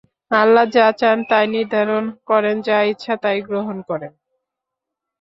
আল্লাহ্ যা চান তাই নির্ধারণ করেন, যা ইচ্ছা তাই গ্রহণ করেন।